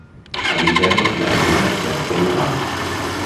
All'interno la chiesa è a tre navate.